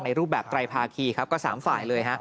ในรูปแบบไกลภาคีก็๓ฝ่ายเลย